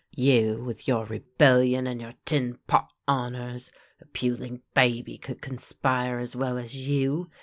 You with your rebellion and your tin pot honours! A puling baby could conspire as well as you.